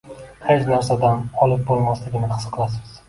Hech narsadan olib bo‘lmasligini his qilasiz.